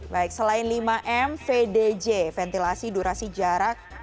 baik selain lima m vdj ventilasi durasi jarak